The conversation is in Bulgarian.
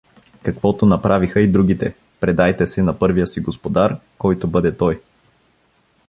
— Каквото направиха и другите: предайте се на първия си господар, който бъде той.